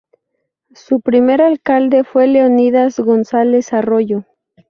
Su primer alcalde fue Leonidas Gonzales Arroyo.